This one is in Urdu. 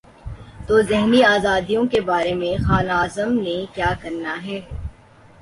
تو ذہنی آزادیوں کے بارے میں خان اعظم نے کیا کرنا ہے۔